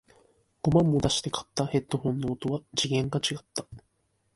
五万も出して買ったヘッドフォンの音は次元が違った